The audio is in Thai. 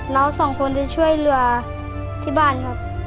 น้องสองคนจะช่วยเรือที่บ้านครับ